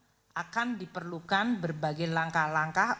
untuk itu memang akan diperlukan berbagai langkah langkah